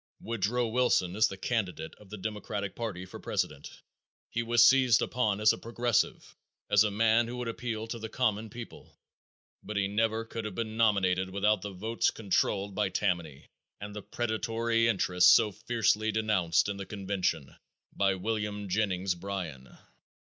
Woodrow Wilson is the candidate of the Democratic party for president. He was seized upon as a "progressive"; as a man who would appeal to the common people, but he never could have been nominated without the votes controlled by Tammany and the "predatory interests" so fiercely denounced in the convention by William Jennings Bryan.